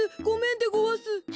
ごめんでごわす。